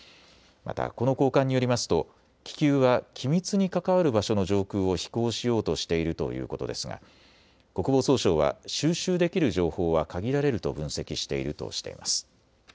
またこの高官によりますと気球は機密に関わる場所の上空を飛行しようとしているということですが国防総省は収集できる情報は限られると分析しているとしています。